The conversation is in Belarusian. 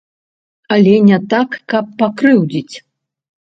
Але не так, каб пакрыўдзіць.